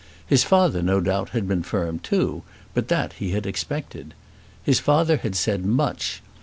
His father, no doubt, had been firm too, but that he had expected. His father had said much.